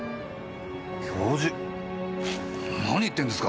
教授何言ってるんですか！？